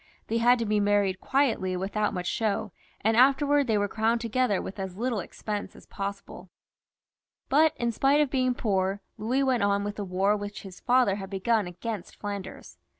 Th^y had to be married quietly without much show, and afterwards they were crowned together with as little expense as possible. 142 LOUIS X. {LE HUTIN). [CH. But in spite of being poor, Louis went on with the war which his father had begun against Flanders.